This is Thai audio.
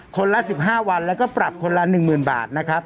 ละ๑๕วันแล้วก็ปรับคนละ๑๐๐๐บาทนะครับ